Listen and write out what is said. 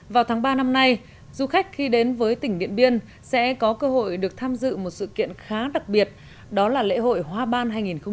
vào tháng ba năm nay du khách khi đến với tỉnh điện biên sẽ có cơ hội được tham dự một sự kiện khá đặc biệt đó là lễ hội hoa ban hai nghìn một mươi chín